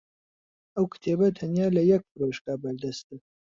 ئەو کتێبە تەنیا لە یەک فرۆشگا بەردەستە.